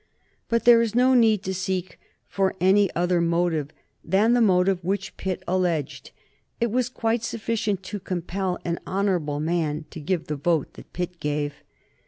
But there is no need to seek for any other motive than the motive which Pitt alleged. It was quite sufficient to compel an honorable man to give the vote that Pitt gave.